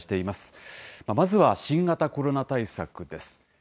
まずは新型コロナ対策です。